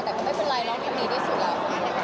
แต่ก็ไม่เป็นไรร้องทำดีที่สุดแล้ว